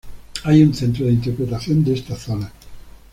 Hay un centro de interpretación de esta zona.